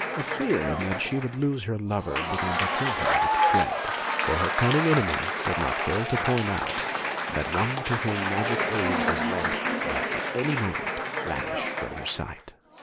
A fear that she would lose her lover began to fill her with dread, for her cunning enemy did not fail to point out that one to whom magic aid was lent might at any moment vanish from her sight.